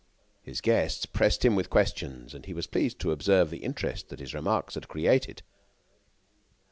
His guests pressed him with questions and he was pleased to observe the interest that his remarks had created.